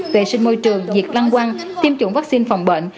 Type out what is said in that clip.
vệ sinh môi trường diệt lăng quăng tiêm chủng vaccine phòng bệnh